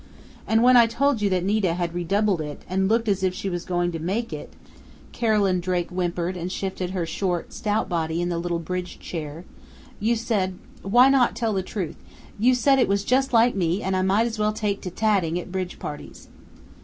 "And when I told you that Nita had redoubled and it looked as if she was going to make it," Carolyn Drake whimpered and shifted her short, stout body in the little bridge chair, "you said why not tell the truth? you said it was just like me and I might as well take to tatting at bridge parties."